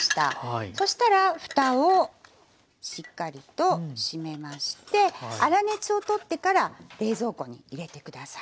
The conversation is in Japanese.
そしたらふたをしっかりと閉めまして粗熱を取ってから冷蔵庫に入れて下さい。